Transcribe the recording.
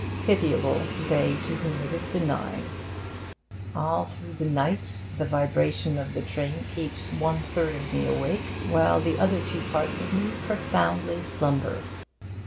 Pitiable they to whom it is denied. All through the night the vibration of the train keeps one third of me awake, while the other two parts of me profoundly slumber.